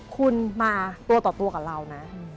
คุณมาตัวต่อตัวกับเรานะ